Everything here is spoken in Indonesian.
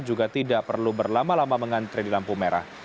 juga tidak perlu berlama lama mengantri di lampu merah